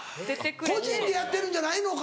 個人でやってるんじゃないのか。